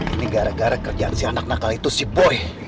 ini gara gara kerjaan si anak nakal itu si boy